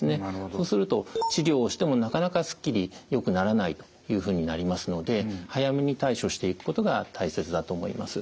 そうすると治療をしてもなかなかすっきりよくならないというふうになりますので早めに対処していくことが大切だと思います。